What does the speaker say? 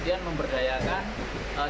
kain pemerintah kota yang beli